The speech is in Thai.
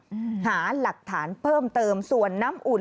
อืมหาหลักฐานเพิ่มเติมส่วนน้ำอุ่น